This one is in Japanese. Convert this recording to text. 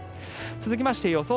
続きまして予想